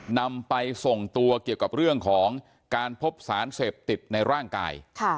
นำไปส่งตัวเกี่ยวกับเรื่องของการพบสารเสพติดในร่างกาย